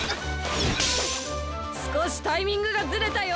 すこしタイミングがずれたよ！